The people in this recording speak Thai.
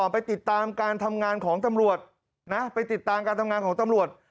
ไปติดตามการทำงานของตำรวจ